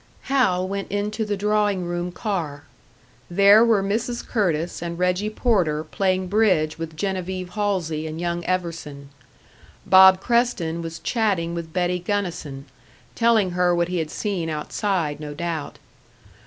Hal went into the drawing room car. There were Mrs. Curtis and Reggie Porter, playing bridge with Genevieve Halsey and young Everson. Bob Creston was chatting with Betty Gunnison, telling her what he had seen outside, no doubt.